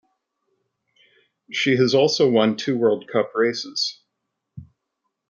She has also won two World Cup races.